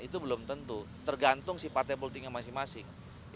itu belum tentu tergantung si partai politiknya masing masing